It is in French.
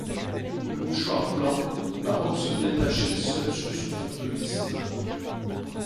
Le mouchoir blanc, la robe se détachaient seuls sur ce fond de bistre.